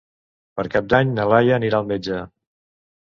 Per Cap d'Any na Laia anirà al metge.